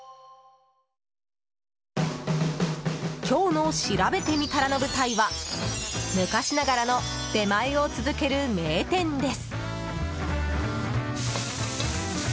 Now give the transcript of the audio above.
今日のしらべてみたらの舞台は昔ながらの出前を続ける名店です。